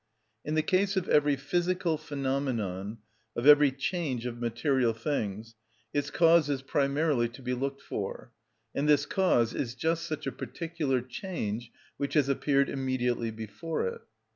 In the case of every physical phenomenon, of every change of material things, its cause is primarily to be looked for; and this cause is just such a particular change which has appeared immediately before it.